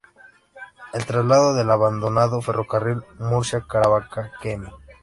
El trazado del abandonado ferrocarril Murcia-Caravaca, km.